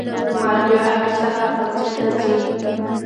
ماريه هر سهار ښوونځي ته ځي